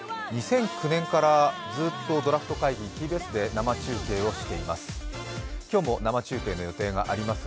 ２００９年からずっとドラフト会議ＴＢＳで生中継をしています。